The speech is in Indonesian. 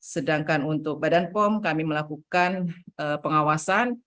sedangkan untuk badan pom kami melakukan pengawasan